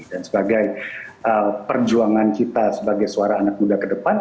dan sebagai perjuangan kita sebagai suara anak muda ke depan